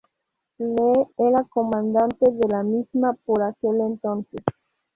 Lee era comandante de la misma por aquel entonces.